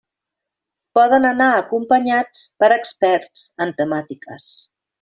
Poden anar acompanyats per experts en temàtiques.